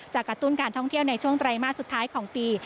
กระตุ้นการท่องเที่ยวในช่วงไตรมาสสุดท้ายของปี